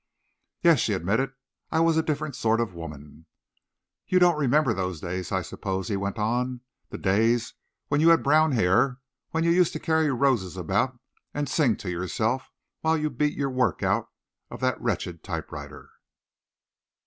"Yes," she admitted, "I was a different sort of woman." "You don't remember those days, I suppose," he went on, "the days when you had brown hair, when you used to carry roses about and sing to yourself while you beat your work out of that wretched typewriter?"